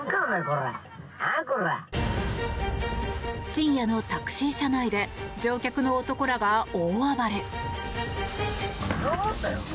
深夜のタクシー車内で乗客の男らが大暴れ。